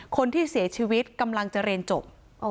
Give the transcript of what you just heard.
คนที่เสียชีวิตกำลังจะเรียนจบ